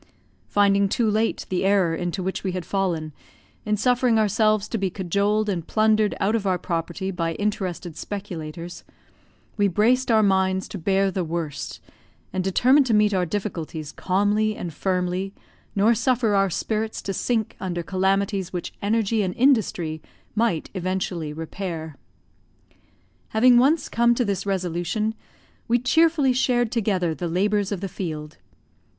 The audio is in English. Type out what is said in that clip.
Finding too late the error into which we had fallen, in suffering ourselves to be cajoled and plundered out of our property by interested speculators, we braced our minds to bear the worst, and determined to meet our difficulties calmly and firmly, nor suffer our spirits to sink under calamities which energy and industry might eventually repair. Having once come to this resolution, we cheerfully shared together the labours of the field.